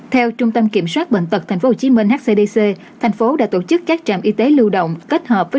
theo trung tâm kiểm soát bệnh tật tp hcm hcdc thành phố đã tổ chức các trạm y tế lưu động kết hợp với